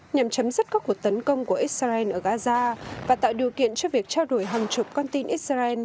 nhằm chấm dứt các cuộc tấn công của israel ở gaza và tạo điều kiện cho việc trao đổi hàng chục con tin israel